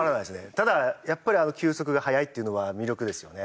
ただやっぱり球速が速いっていうのは魅力ですよね。